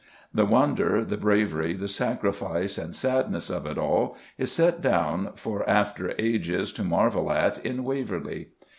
The wonder, the bravery, the sacrifice and sadness of it all is set down for after ages to marvel at in Waverley.